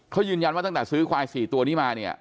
เขายืนยันว่าตั้งแต่ซื้อควาย๔ตัวนี้มาเนี่ย